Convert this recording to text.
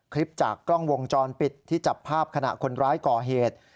คลิปจากกล้องวงจรปิดที่จับภาพขณะคนร้ายก่อเหตุ